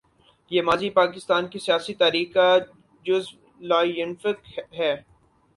یہ ماضی پاکستان کی سیاسی تاریخ کا جزو لا ینفک ہے۔